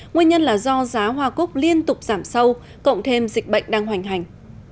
nguyên nhân là do giá hoa cúc liên tục giảm sâu cộng thêm dịch bệnh đang hoành hành